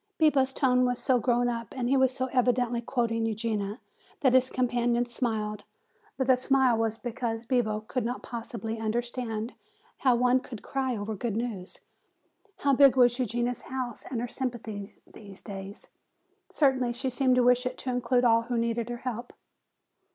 Bibo's tone was so grown up and he was so evidently quoting Eugenia that his companion smiled. But the smile was because Bibo could not possibly understand how one could cry over good news. How big was Eugenia's house and her sympathy these days? Certainly she seemed to wish it to include all who needed her help.